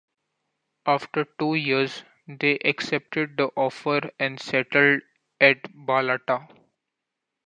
After two years, they accepted the offer and settled at Balata.